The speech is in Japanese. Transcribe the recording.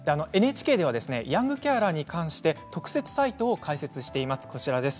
ＮＨＫではヤングケアラーに関して特設サイトを開設しています。